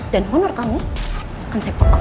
dan honor kamu akan saya pepah